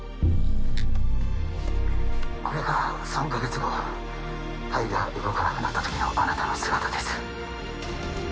これが３か月後肺が動かなくなったときのあなたの姿です